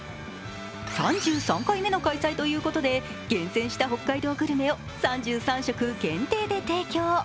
３３回目の開催ということで限定した北海道グルメを３３食限定で提供。